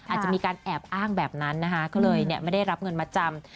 อาจจะมีการแอบอ้างแบบนั้นนะคะก็เลยไม่ได้รับเงินมาจำ